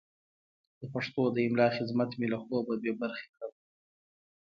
د پښتو د املا خدمت مې له خوبه بې برخې کړم.